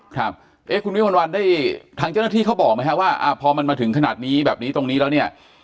ครับเอ๊ะคุณวิมวลวันได้ทางเจ้าหน้าที่เขาบอกไหมครับว่าพอมันมาถึงขนาดนี้แบบนี้ตรงนี้แล้วเนี่ย